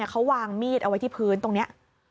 เขาวางมีดเอาไว้ที่พื้นตรงนี้